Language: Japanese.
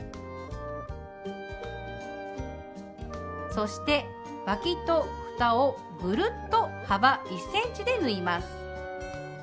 そしてわきとふたをぐるっと幅１ｃｍで縫います。